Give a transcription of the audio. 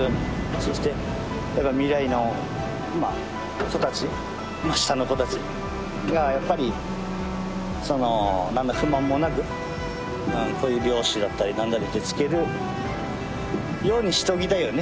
そしてやっぱ未来のまあ子たち下の子たちがやっぱりそのなんの不満もなくこういう漁師だったりなんなりって就けるようにしておきたいよね